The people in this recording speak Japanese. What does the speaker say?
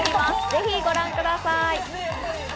ぜひご覧ください。